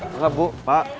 mak bu pak